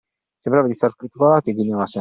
Sembrava disarticolato e ghignava sempre.